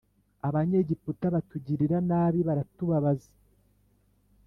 Abanyegiputa batugirira nabi baratubabaza